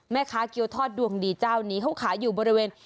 แม่ข้าเกี้ยวทอดดวงดีเจ้านี้เขาขายุบริเวณ